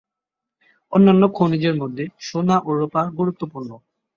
অন্যান্য খনিজের মধ্যে সোনা ও রূপা গুরুত্বপূর্ণ।